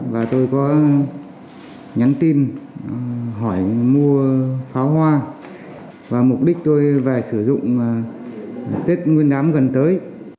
và tôi có nhắn tin hỏi mua pháo hoa và mục đích tôi về sử dụng tết nguyên đán gần tới